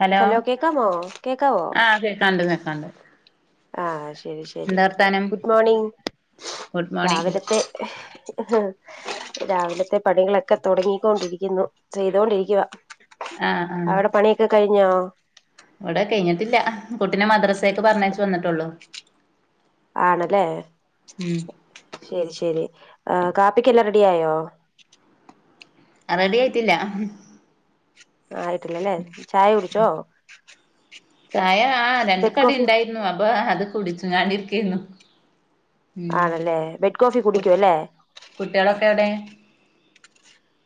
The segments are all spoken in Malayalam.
ഹലോ കേക്കാമോ കേക്കാവോ ആഹ് കേൾക്കാണ്ട് കേ കണ്ട് ആഹ് ശരി ശരി ഗുഡ് മോർണിംഗ് ഗുഡ് മോർണിംഗ് രാവിലത്തെ രാവിലത്തെ പണികളൊക്കെ തുടങ്ങിക്കൊണ്ടിരിക്കുന്നു ചെയ്തൊണ്ടിരിക്കവാ ആഹ് ആഹ് അവിടെ പണിയൊക്കെ കഴിഞ്ഞോ ഇവിടെ കഴിഞ്ഞിട്ടില്ല കുട്ടിനെ മദ്രസൊക്ക് പറഞ്ഞേച്ച വന്നിട്ടുള്ളു ആണല്ലേ ശരി ശരി ആ കാപ്പിക്ക് എല്ലാം റെഡി ആായോ റെഡി ആയിട്ടില്ല ആയിട്ടില്ലല്ലേ ചായ കുടിച്ചോ ചായ ആ രണ്ട് ബെഡ് കടി കോഫി ഉണ്ടായിരുന്നു അപ്പൊ അത് കുടിച്ചു ഞാണ്ടിരിക്കരുന്നു ഉം ആണല്ലേ ബെഡ് കോഫി കുടിക്കും അല്ലേ കുട്ടികളൊക്കെ എവിടെ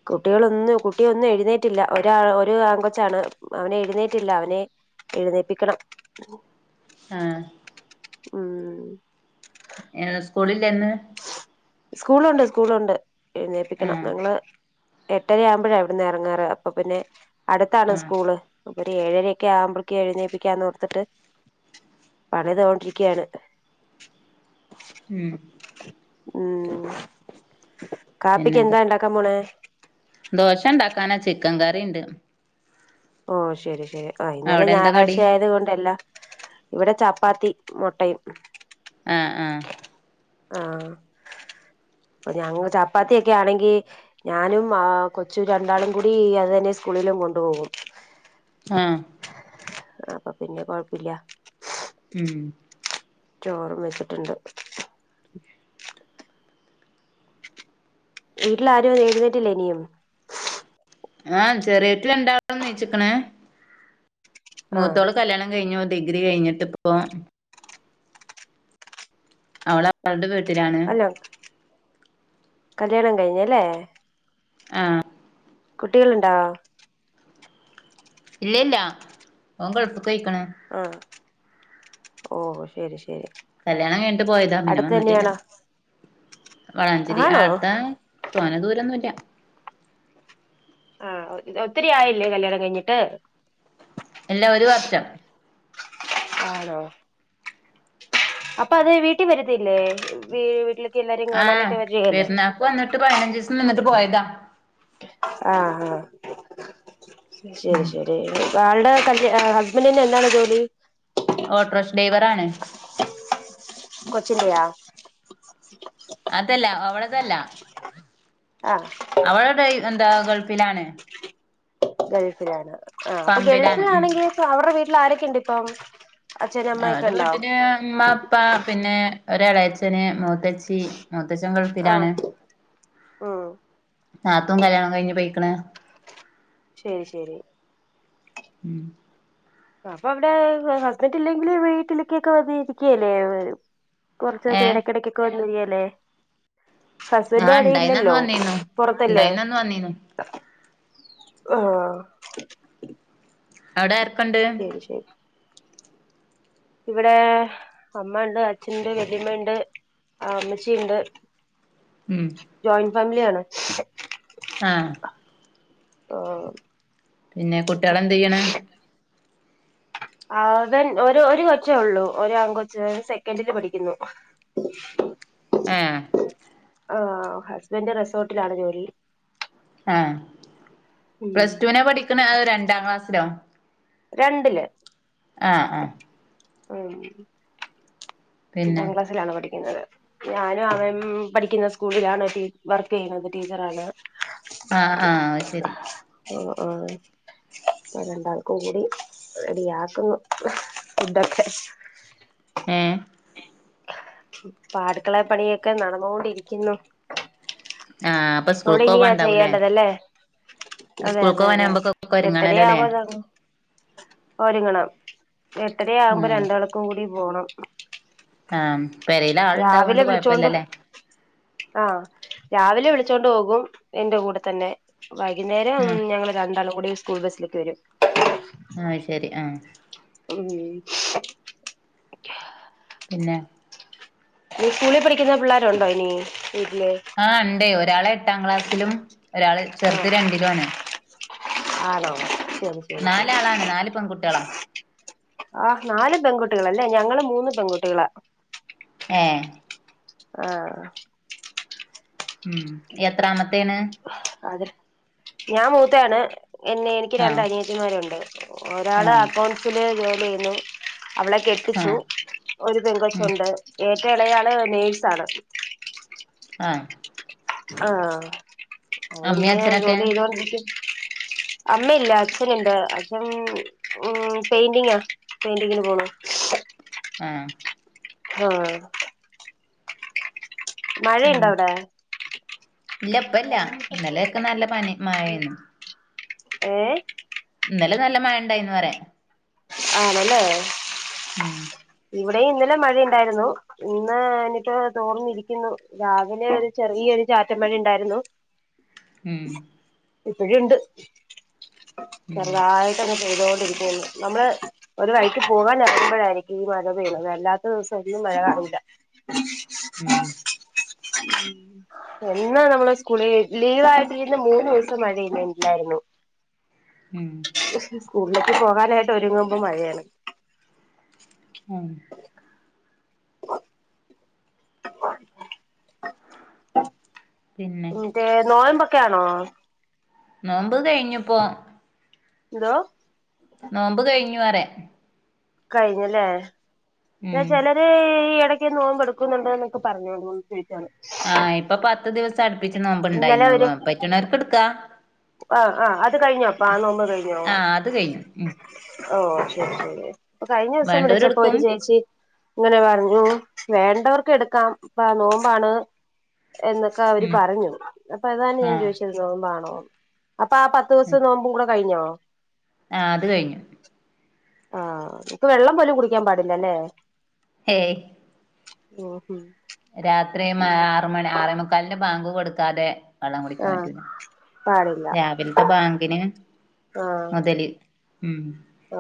കുട്ടികളൊന്നും കുട്ടിയൊന്നും എഴുന്നേറ്റില്ല ഒ ഒരു ആ കൊച്ചാണ് അവനെ എഴുന്നേറ്റില്ല അവനെ എഴുന്നേപ്പിക്കണം ആഹ് ഉം ഏ സ്കൂളില്ലന്ന് സ്കൂളുണ്ട് സ്കൂളുണ്ട് എഴുന്നേപ്പിക്കണം ആഹ് ഞങ്ങള് എട്ടരയാവുമ്പോഴാ എവിടുന്ന് ഇറങ്ങാറ് അപ്പൊ പിന്നെ അടുത്താണ് ആഹ് സ്കൂള് ഇര് ഏഴരയൊക്കെ ആവുമ്പോഴേക്കക്ക് എഴുന്നേപ്പിക്കാന്ന്ടുത്തിട്ട് പണതോണ്ടിരിക്കയാണ് ഉം ഉം കാപ്പിക്ക് പിന്നെന്താ എന്താ ഉണ്ടാക്കാ പോനെ ദോശ ഉണ്ടാക്കാനാ ചിക്കൻ കറി ഉണ്ട് ഓ ശെരി ശരി ആ ഇന്നലെ അവിടെ എന്താ കടി ഞായറാഴ്ച ആയത് കൊണ്ടല്ല ഇവിടെ പ്പാത്തി മൊട്ടയും ആന്ന് ആഹ് ആഹ് ഇപ്പ ഞങ്ങ ചപ്പാത്തിയക്കെ ആണെങ്കിൽ ഞാനും കൊച്ചു രണ്ടാളും കൂടി അത് തന്നെ സ്കൂളിലും കൊണ്ടപോൾ ആഹ അപ്പൊ പിന്നെ കൊഴപ്പില്ല ഉം ചോറും വെച്ചിട്ടുണ്ട് വീട്ടില ആാരും നേടുന്നിട്ടില്ല ഇനിയും ആഹ ചെറ വീട്ടില ഇണ്ടാവന്ന് നച്ചിക്കണ ആഹ് മൂത്തോള് കല്യാണം കഴിഞ്ഞു ഡിഗ്രി കഴിഞ്ഞിട്ട് ഇപ്പോ അവള അവളടെ വീട്ടിലാണ് അല്ല കല്യാണം കഴിഞ്ഞല്ലേ ആഹ കുട്ടികളുണ്ടോ ഇല്ലല്ല ഓൻ ഗൾഫിക്ക് പോഴിക്കണ ആഹ് ഓ ശരി ശരി കല്യാണം കഴിട്ട് പോയതാ പിന്നെ അടുത്ത് വന്നിട്ടില്ല തന്നെയാണോ വളാഞ്ചേരി ആണോ അടുത്താ തോന്ന ദൂരൊന്നും ഇല്ല ആഹ ഒത്തിരി ആയില്ലേ കല്യാണം കഴിഞ്ഞിട്ട് ഇല്ല ഒരു വർഷം ആണോ അപ്പൊ അത് വീട്ടിൽ വരത്തില്ലേ വീട്ടില ആഹ പെരുന്നാക്ക് വന്നിട്ട് പതിനഞ്ച് ദിവസം നിന്നിട്ട് പോയതാ ആഹ ആഹ ശരി ഉം ശരി അയാളുടെ കല് ഹസ്ബൻഡന്നെ എന്താണ് ജോലി ഓട്ടോ ഡ്രൈവർ ആാണ് കൊച്ചില്ലിയാ അതല്ല അവളതല്ല ആഹ് അവളട എന്താ ഗൾഫിലാണ് ഗൾഫിലാണ് ആ അപ്പൊ പമ്പിലാണ് ഉം ഗൾഫിലാണെങ്കിൽ അവരുടെ വീട്ടിൽ ആരൊക്കെുണ്ട് ഇപ്പം അച്ഛനും അമ്മയൊക്കെ അവടെ ഉണ്ടോ വീട്ടില് അമ്മ അപ്പ പിന്നെ ഒരടയച്ച്ചന് മൂത്തച്ചി മൂ ദേശം ആഹ് ഗൾഫിലാണ് ഉം നാത്തും കല്യാണം കഴിഞ്ഞഞ് പോയി അള ശരി ശരി ഉം അപ്പ അവിടെ ഹസ്ബന്റ് ഇല്ലെങ്കില് വീട്ടിലേക്കൊക്കെ വന്ന ഇരിക്കല്ലേ കൊറച്ചൊ [unintelligible] ഏഹ് ഇടക്കിടക്കൊക്കെ [unintelligible] ഹസ്ബൻറ് ആഹ് ഇണ്ടായിന്നന്ന് അടലില്ലല്ലോ വന്നീന്നു പൊറത്തല്ലേ. ഇണ്ടായിന്നന്ന് വന്നീന്നു ആഹ അവിടെ ആരൊക്കെണ്ട് ശരി ശരി ഇവിടെ അമ്മ ഉണ്ട്, അച്ഛനുണ്ട് വെല്ല്യമ്മണ്ട്, അമ്മച്ചിയുണ്ട്. ഉം ഫാമിലിയ ആണ് ആഹ് ആഹ പിന്നെ കുട്ടികളെന്ത് ചെയ്യണ്? ആ അവൻ ഒരു ഒരു കൊച്ചേ ഉള്ളു, ഒരു ആൺകൊച്ചൻ സെക്കൻഡില് പഠിക്കുന്നു. [inaudible] ആഹ ആ ഹസ്ബന്റെ റിസോർട്ടിലാണ് ജോലി. ആഹ ഉം പ്ലസ് ടുവിനെ പഠിക്കണ രണ്ടാം ക്ലാസ്സിലോ രണ്ടില് ആഹ ആഹ ഉം പിന്നെ രണ്ടാം ക്ലാസ്സിലാണ് പഠിക്കുന്നത്. ഞാനും അവൻ പഠിക്കുന്ന സ്കൂളിലാണ് വർക്കെയ്യുന്നത് ടീച്ചറാണ്. ആഹ ആഹ ശരി. ആ അ രണ്ടാൾക്കും കൂടി റെഡിയാ ക്കുന്നു. ഫുഡൊക്കെ ഏഹ്? പാ അടുക്കള പണിയൊക്കെ നടന്നോണ്ടിരിക്കുന്നു. ആഹ് അപ്പൊ അവിടെ സ്കൂൾക്ക് ഇനിയാ പോവാണ്ടാവൂല്ലേ ചെയ്യേണ്ടതല്ലേ? അതെ, സ്കൂൾക്ക് അതെ, അതെ പോവാനാവുമ്പൊക്കൊക്കെ ഒരുങ്ങണല്ലോല്ലേ എട്ടരയാവാരവും ഒരുങ്ങണം. എട്ടരയാകുമ്പോ ആഹ് രണ്ടാൾക്കും കൂടി പോണം. ആഹ രാവിലെ വിളിച്ചോണ്ട് ആഹ രാവിലെ വിളി ച്ചോണ്ട് പോകും. എന്റെ കൂടെ തന്നെ വൈകുന്നേരം ആഹ് ഞങ്ങള് രണ്ടാളും കൂടി സ്കൂൾ ബസിലേക്ക് വരും. ആഹ് ശരി ആഹ് ഉം ന്നെ? സ്കൂളിൽ പഠിക്കുന്ന പിള്ളേരു ഉണ്ടോ ഇനി? വീട്ടില് ആ ണ്ടേ. ഒരാള് എട്ടാം ക്ലാസ്സിലും, ഒരാള് ചെറുത് ആഹ് രണ്ടിലു ആണ്. ആണോ ശരി, ശരി, ശരി. നാലാളാണ് നാല് പെൺകുട്ടികളാ ആഹ് നാല് പെൺകുട്ടികളല്ലേ? ഞങ്ങള് മൂന്ന് പെൺകുട്ടികളാ. ഏഹ് ആഹ ഉം എത്രാമത്തേണ്‌? അത് ഞാൻ മൂത്തയാണ്. എന്നെ എനിക്ക് ആഹ് രണ്ടനിയത്തിമ്മാരുണ്ട്. ഒരാള് ആഹ് അക്കൗണ്ട്സില് ജോലി ചെയ്യുന്നു അവളെ കെട്ടിച്ചു ആഹ് ഒരു പെങ്കൊ ഉം ച്ചുണ്ട്. ഏ റ്റെ ഇളയാള് നേഴ്സ്സാണ്‌. ആഹ ആഹ അമ്മേം അവളങ്ങനെയാ അച്ഛനൊക്കെ ജോലി ചെയ്തോണ്ടിരിക്കാ. അമ്മയില്ല അച്ഛനുണ്ട് അച്ഛൻ ഉം ഉം പെയിന്റിങ്ങാ, പെയിന്റിങ്ങിന് പോണു. ആഹ. ഹാ. മഴയിണ്ടാ പിന്നെ അവിടെ? ഇല്ല ഇപ്പല്ല ഇന്നലെയൊക്കെ നല്ല പനി മഴേന്നു ഏ? ഇന്നലെ നല്ല മയ ണ്ടായിന്നു റയാ. ആണല്ലേ? ഉം ടെ ഇന്നലെ മഴയുണ്ടായിരുന്നു. ഇന്ന് നിപ്പോ തോർന്നിരിക്കുന്നു, രാവിലെ ഒരു ചെറിയ ഒരു ചാറ്റ മഴ ണ്ടായിരുന്നു. ഉം. ഇപ്പഴുണ്ട്. ഉം ചെറുതായിട്ടങ്ങ് പെയ് തോൊണ്ടിരിക്കുന്നു നമ്മള് ഒരു വഴിക്ക് പോകനെ റങ്ങുമ്പോഴായി രിക്കും ഈ മഴ പെയ്ണത്, അല്ലാത്ത ദിവസം ഒന്നും മഴ കാണൂല്ല. ഉം എന്നാ നമ്മള് സ്കൂളില് ലീവ് ആായിട്ടിരുന്ന മൂന്ന് ദിവസം മഴെയ്യുന്നില്ലായിരുന്നു. ഉം. ഉള്ളിക്ക് പോകാനായിട്ട് ഒരുങ്ങുമ്പോ മഴയാണ്. ഉ പിന്നെ മറ്റെ നോയമ്പൊക്കൊണോ? നോമ്പ് കഴിഞ്ഞുപ്പോ. എന്തോ നോമ്പ് കഴിഞ്ഞുപറെ. കഴിഞ്ഞല്ലേ എന്നാ ഉം ചിലര് ഈ ഇട ഒക്കെ നോമ്പെടുക്കുന്നുണ്ട് എന്നൊക്കെ പറഞ്ഞ് ടീച്ചർ. ആഹ് ഇപ്പൊ പത്ത് ദിവസം അടുപ്പിച്ച് നോമ്പ് ഇന്നലെ ഇണ്ടായിരുന്നു ഒരു പറ്റ്ണോർക്ക് ഇടുക്കാ ആഹ് ആഹ് അത് കഴിഞ്ഞോപ്പ ആ നോമ്പ് കഴിഞ്ഞോ? ആഹ് അത് കഴിഞ്ഞു ഉം ഓ ശരി ശരി അപ്പൊ കഴിഞ്ഞ ദിവസം വേണ്ടോര് വിളിച്ചപ്പൊ എടുക്കും ഒരു ചേച്ചി ഇങ്ങനെ പറഞ്ഞു വേണ്ടവർക്ക് എടുക്കാം ഇപ്പ നോമ്പാണ്. എന്നൊക്കെ അവര് ഉം പറഞ്ഞു അപ്പൊ അതാണ് ഞാൻ ആഹ് ചോദിച്ചത് നോമ്പാണോന്ന്. അപ്പൊ ആ പത്ത് ഉം ദിവസം നോമ്പ് കൂടെ കഴിഞ്ഞോ? ആഹ് അത് കഴിഞ്ഞു. ആ ഇപ്പ വെള്ളം പോലും കുടിക്കാൻ പാടില്ലല്ലേ ഹേയ് ഓ ഹും രാത്രി ആറ്മണി ആറമുക്കാലിന്റെ ബാങ്ക് കൊടുക്കാതെ വെള്ളം കുടിക്കാൻ ആഹ് പറ്റൂല. പാടില്ല രാവിലത്തെ ബാങ്കിന് ആഹ് മുതല് ഉം ഓ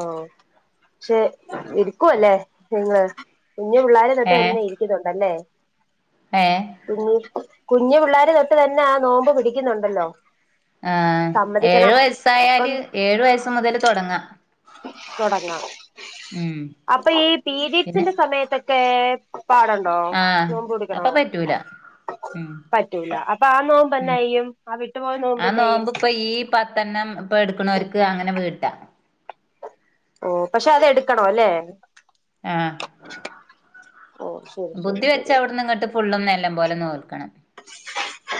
പക്ഷെ ഇരിക്കുവല്ലേ നിങ്ങൾ കുഞ്ഞു പിള്ളേരെതൊട്ട് ഏഹ് തന്നെ ഇരിക്കുന്നുണ്ടല്ലേ? ഏഹ് കുഞ്ഞി കുഞ്ഞു പിള്ളേരെതൊട്ട് തന്നെ ആ നോമ്പ് പിടിക്കുന്നുണ്ടല്ലോ ആഹ് ഏഴു സമ്മതിക്കണം വയസായാല് നമുക്കൊന്ന് ഏഴു വയസ്സ് മുതല് തുടങ്ങാം. തുടങ്ങാം അപ്പൊ ഈ പിന്നെ പീരിയഡ്സിന്റെ സമയത്തൊക്കെ പാടണ്ടോ ആഹ് നോമ്പ് പിടുക്കണോ? അപ്പൊ പറ്റൂല ഉം പറ്റൂല അപ്പൊ ആ ഉം നോമ്പ്ന്നെയ്യും ആ വിട്ടുപോയ ആ നോമ്പ്ന്നെയ്യും? നോമ്പ് ഇപ്പൊ ഈ പത്തെണ്ണം ഇപ്പൊ എടുക്കണവർക്ക് അങ്ങനെ വീട്ടാ. ഓ പക്ഷെ അത് എടുക്കണോല്ലെ ആഹ് ഓ ശരി ശരി ബുദ്ധിവെച്ച ശരി അവിട്ന്ന്ങ്ങട്ട് ഫുള്ളും നല്ലംപോലെ പോലെ നോൽക്കണം.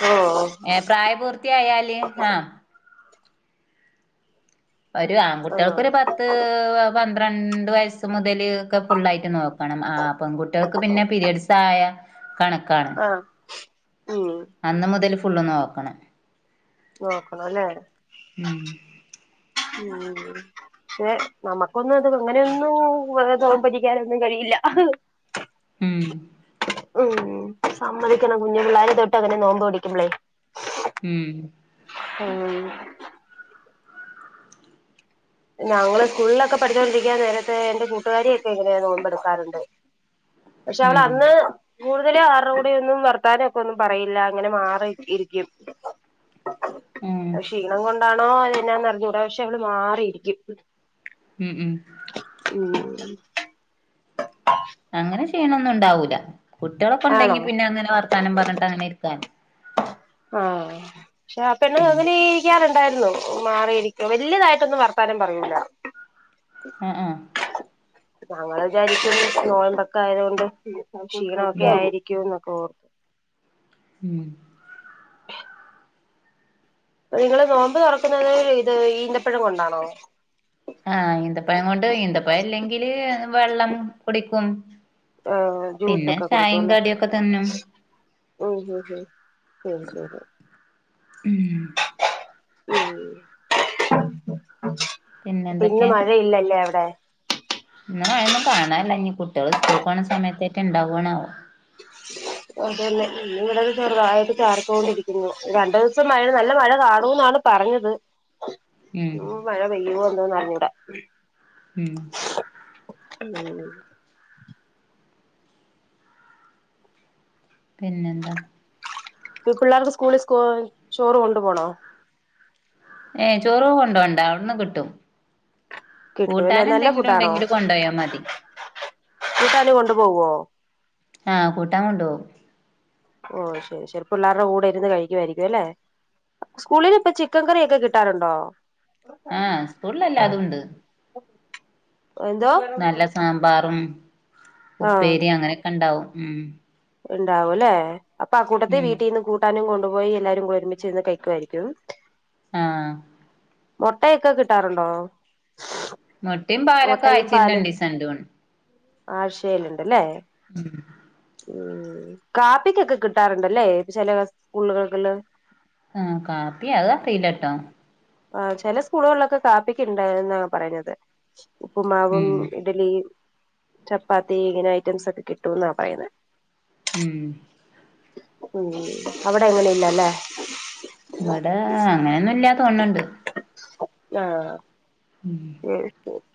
ഓ ഏ പ്രായപൂർത്തിയായാല് ആഹ് ഒരു ആഹ് ആൺകുട്ടികൾക്കൊരു പത്ത് പന്ത്രണ്ട് വയസ്സ് മുതൽ ഒക്കെ ഫുള്ളായിട്ട് നോക്കണം. ആ പെൺകുട്ടികൾക്ക് പിന്നെ പിരയഡ്സ് ആയ കണക്കാണ്. ആഹ് ഉം അന്ന് മുതല് ഫുള്ള് നോക്കണം. നോക്കണംല്ലേ? ഉം പക്ഷേ നമുക്കൊന്നും അത് അങ്ങനെയൊന്നും വ നോമ്പ് ഇരിക്കാനൊന്നും കഴിയില്ല. ഉം ഉം സമ്മതിക്കണം കുഞ്ഞു പിള്ളേരെ തൊട്ട് അങ്ങനെ നോമ്പ് പിടിക്കുമ്പളേ ഉം ആഹ് ഞങ്ങള് സ്കൂളിലൊക്കെ പഠിച്ചോണ്ടിരിക്ക നേരത്ത് എന്റെ കൂട്ടുകാരിയൊക്കെ ഇങ്ങനെ നോമ്പെടുക്കാറുണ്ട്. പക്ഷെ ഉം അവളന്ന് കൂടുതല് ആരുടെ കൂടെയൊന്നും വർത്താനൊക്കൊന്നും പറയില്ല അങ്ങനെ മാറി ഇരിക്കും. ഉം ക്ഷീണം കൊണ്ടാണോ എന്നാന്ന് അറിഞ്ഞൂടാ പക്ഷെ അവള് മാറിയിരിക്കും. ഉം ഉം ഉം അങ്ങനെ ക്ഷീണൊന്നു ഇണ്ടാവൂല. കുട്ട്യേളൊക്കെ ആണോ ഇണ്ടെങ്കി പിന്നെ അങ്ങനെ വർത്താനം പറഞ്ഞിട്ട് അങ്ങനെ ഇരിക്കാന് ആഹ് പക്ഷെ ആ പെണ്ണ് ഉം അങ്ങനെ ഇരിക്കാറ് ണ്ടായിരുന്നു മാറിയിരിക്കും. വല്യതായിട്ടൊന്നും വർത്താനം പറയൂല്ല. ആ ആ ഞങ്ങള് വിചാരിക്കും നോമ്പൊക്കെ ആയതോണ്ട് ക്ഷീണൊക്കെ ഉം ആയിരിക്കൂന്ന്. ഓ ഉം നിങ്ങള് നോമ്പ് തൊറക്കുന്നത് ഇത് ഈന്തപ്പഴം കൊണ്ടാണോ? ആഹ് ഈന്തപ്പഴം കൊണ്ട് ഈന്തപ്പഴം ഇല്ലെങ്കില് വെള്ളം കുടിക്കും. ഏഹ് പിന്നെ ജ്യൂസൊക്കെ കുടിക്കും ചായേം അല്ലേ കടിയൊക്കെ തിന്നും. ഉം ഊഹും ഉം ഉം ഊം പിന്നെ മഴയില്ലല്ലേ അവിടെ ഇന്ന് മഴയൊന്നും കാണാനില്ല ഇനി കുട്ടികള് സ്കൂൾക്ക് പോണ സമയത്താറ്റ ഇണ്ടാവ്വാണാവോ അതന്നെ ഇന്നിവിടെ ചെറ്തായിട്ട് ചാറിക്കോണ്ടിരിക്കുന്നു. രണ്ട് ദിവസം മഴ നല്ല മഴ കാണൂന്നാ ന്ന് പറഞ്ഞത്. ഉം മഴ പെയ്യുവോ എന്തോ അറിഞ്ഞൂടാ ഉം ഉം പിന്നെന്താ പിള്ളേർക്ക് സ്കൂളിൽ സ്കൂ ചോറ് കൊണ്ട് പോണോ? ഏ ചോറന്നും കൊണ്ടോണ്ട അവിടന്ന് കിട്ടും. കിട്ടുവല്ലേ കൂട്ടാൻ നല്ല എന്തെങ്കിലും ഫുഡാണോ ഉണ്ടെങ്കില് കൊണ്ടോയാ മതി. കൂട്ടാന് കൊണ്ട് പോവോ ആഹ് കൂട്ടാൻ കൊണ്ട്പോവും ഓ ശരി ശരി. പിള്ളേരുടെ കൂടെ ഇരുന്ന് കഴിക്കുമായിരിക്കും അല്ലെ? സ്കൂളിൽ ഇപ്പ ചിക്കൻ കറിയൊക്കെ കിട്ടാറുണ്ടോ? ആഹ് സ്കൂളിലെല്ലാതുണ്ട്. എന്തോ നല്ല സാമ്പാറും ആഹ് ഉപ്പേരി അങ്ങനെയൊക്കെ ഇണ്ടാവും ഉം ഇണ്ടാവൂല്ലേ? അപ്പൊ ആ കൂട്ടത്തെ ഉം വീട്ടിൽ നിന്ന് കൂട്ടാനും കൊ ണ്ട് പോയി എല്ലാവരും ഒരുമിച്ച് നിന്ന് കഴിക്കുവായിരിക്കും. ആഹ് മൊട്ടയൊക്കെ കിട്ടാറുണ്ടോ? മൊട്ടയും പാലൊക്കെ മുട്ടയും ആയ്ച്ചീൽ പാലും രണ്ടീസണ്ട് തോൺ ആഴ്ചയിലുണ്ടല്ലേ? ഉം ഉം കാപ്പിക്കൊക്കെ കിട്ടാറുണ്ടല്ലേ ചില സ്കൂളുകൾല് ആഹ് കാപ്പി അതറീലട്ടോ ആ ചെല സ്കൂളുകളിലൊക്കെ കാപ്പിക്ക്ണ്ട് എന്ന പറഞ്ഞത്. ഉപ്പുമാവും ഉം ഇഡ്ഡലി ചപ്പാത്തി ഇങ്ങനെ ഐറ്റംസ് ഒക്കെ കിട്ടുംന്നാ പറയുന്നേ ഉം ഉ അവിടെ അങ്ങനെയില്ലല്ലേ? ഇവിടെ അങ്ങനെയൊന്നും ഇല്ല തോണണ്ട്. ആഹ ഉഹ [unintelligible]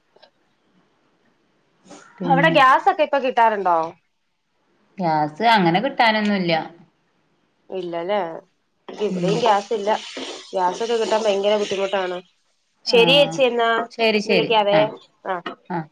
അവിടെ പിന്നെ ഗ്യാസൊക്കെ ഇപ്പൊ കിട്ടാറുണ്ടോ? ഗ്യാസ് അങ്ങനെ കിട്ടാനൊന്നുല്ല. ഇല്ലല്ലേ ഉം ഇവിടെയും ഗ്യാസ ഇല്ല. ഗ്യാസൊക്കെ കിട്ടാൻ ഭയങ്കര ബുദ്ധിമുട്ടാണ്. ശരി ആഹ് ചേച്ചി എന്ന എന്നാ ശരി ശരി വിളിക്കാവേ ആഹ് ആ ആഹ്